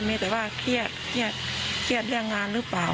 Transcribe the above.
มีแต่ว่าเครียดเรื่องงานหรือเปล่า